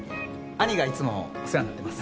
兄がいつもお世話になってます